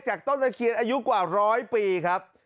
ต้นตะเคียนอายุกว่าร้อยปีครับ